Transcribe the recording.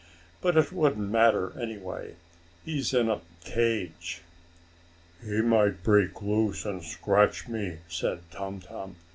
"But it wouldn't matter, anyhow, as he's in a cage." "He might break loose, and scratch me," said Tum Tum.